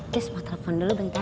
gue mau telfon dulu bentar ya